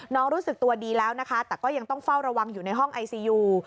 รู้สึกตัวดีแล้วนะคะแต่ก็ยังต้องเฝ้าระวังอยู่ในห้องไอซียู